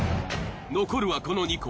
残るはこの２校。